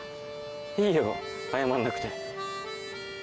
いいよ謝んなくて。